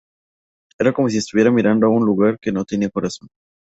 Era como si estuviera mirando a un lugar que no tenía corazón.